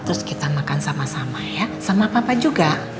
terus kita makan sama sama ya sama papa juga